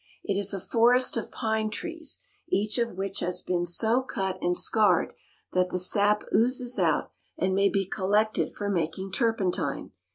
It is a forest of pine trees, each of which has been so cut and scarred that the sap oozes out and may be collected for making tur pentine.